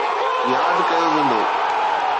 ياد ڪيو ويندو.